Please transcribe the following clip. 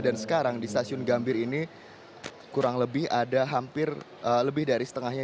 dan sekarang di stasiun gambir ini kurang lebih ada hampir lebih dari setengahnya